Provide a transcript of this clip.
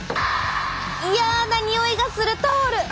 嫌なにおいがするタオル！